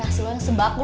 nasi lo yang sebagus